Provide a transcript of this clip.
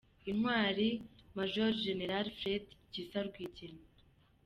Intwali Major Gen. Fred Gisa Rwigema